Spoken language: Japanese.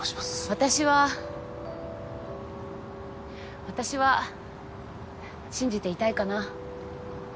私は私は信じていたいかな。